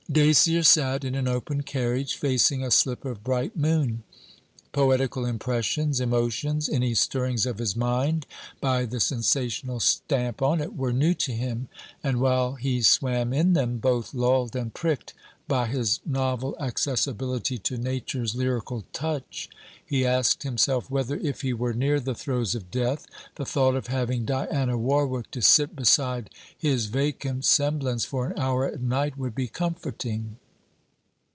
Dacier sat in an open carriage, facing a slip of bright moon. Poetical impressions, emotions, any stirrings of his mind by the sensational stamp on it, were new to him, and while he swam in them, both lulled and pricked by his novel accessibility to nature's lyrical touch, he asked himself whether, if he were near the throes of death, the thought of having Diana Warwick to sit beside his vacant semblance for an hour at night would be comforting.